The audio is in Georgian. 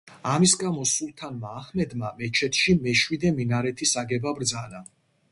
ამის გამო სულთანმა აჰმედმა მეჩეთში მეშვიდე მინარეთის აგება ბრძანა.